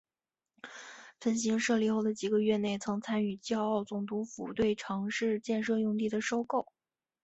分行设立后的几个月内曾参与胶澳总督府对城市建设用地的收购。